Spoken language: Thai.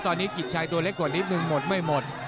ตอนนี้กิจชัยตัวเล็กกว่านิดนึงหมดไม่หมด